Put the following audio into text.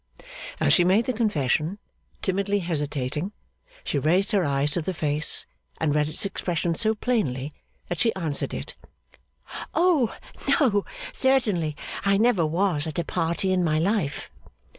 As she made the confession, timidly hesitating, she raised her eyes to the face, and read its expression so plainly that she answered it. 'Oh no, certainly! I never was at a party in my life.